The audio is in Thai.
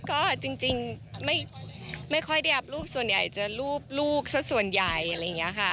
ก็จริงไม่ค่อยได้อัพรูปส่วนใหญ่จะรูปลูกสักส่วนใหญ่อะไรอย่างนี้ค่ะ